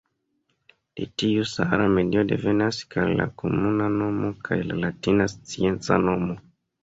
De tiu sahara medio devenas kaj la komuna nomo kaj la latina scienca nomo.